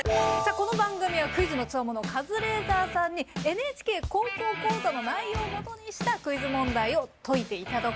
この番組はクイズの強者カズレーザーさんに「ＮＨＫ高校講座」の内容をもとにしたクイズ問題を解いていただこうという。